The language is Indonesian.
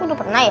udah pernah ya